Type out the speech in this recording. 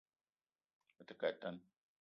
Me te ke a tan